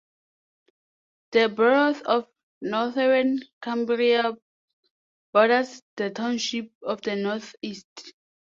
The borough of Northern Cambria borders the township on the northeast.